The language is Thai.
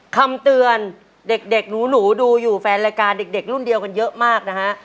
คำเตือนเด็กหนูดูอยู่แฟนรายการเด็กรุ่นเดียวกันเยอะมากนะฮะ